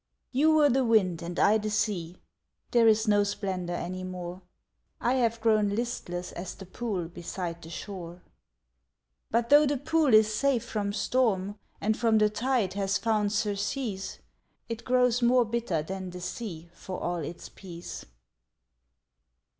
You were the wind and I the sea There is no splendor any more, I have grown listless as the pool Beside the shore. But though the pool is safe from storm And from the tide has found surcease, It grows more bitter than the sea, For all its peace.